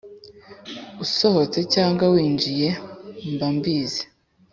usohotse cyangwa winjiye, mba mbizi.